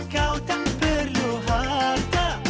kau tak perlu harta